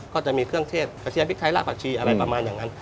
ก็จะมีเครื่องเทศกระเทียมพริกไทยละผักชีอะไรประมาณอย่างนั้น